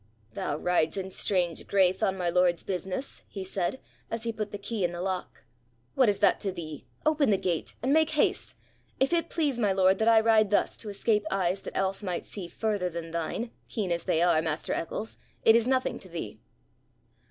'Thou rides in strange graith on my lord's business,' he said, as he put the key in the lock. 'What is that to thee? Open the gate. And make haste. If it please my lord that I ride thus to escape eyes that else might see further than thine, keen as they are, master Eccles, it is nothing to thee.'